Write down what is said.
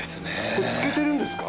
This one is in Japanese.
これ漬けてるんですか？